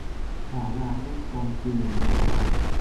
สารานุกรมจีนโบราณ